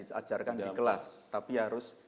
memandangkan kelas tapi harus